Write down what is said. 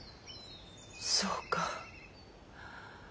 そうか。